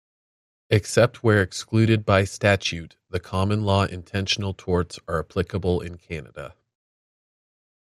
Except where excluded by statute, the common law intentional torts are applicable in Canada.